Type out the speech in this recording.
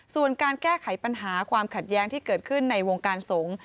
ส่วนการแก้ไขปัญหาความขัดแย้งที่เกิดขึ้นในวงการสงฆ์